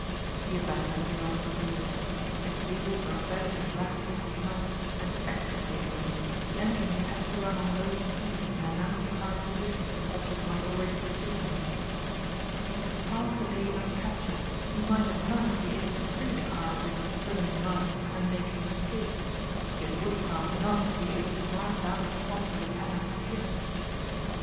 He abandoned the automobile. Its wheels were embedded in black viscid mud and to extricate them the engine would have to run on low speed and announce the car's position to such as might already be seeking him. If he could pass the day uncaptured he might at night be able to free the car of its imprisoning mud and make his escape. He had woodcraft enough to be able to mark down the spot where the Panhard was hidden.